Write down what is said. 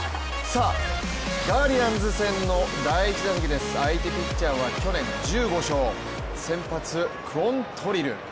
ガーディアンズ戦の第１打席です、相手ピッチャーは去年１５勝、先発・クォントリル。